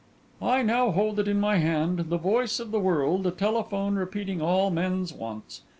'I now hold it in my hand, the voice of the world, a telephone repeating all men's wants.